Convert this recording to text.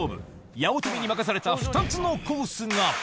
八乙女に任された２つのコースが。